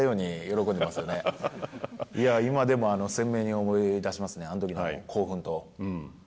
今でも鮮明に思い出しますねあのときの興奮と。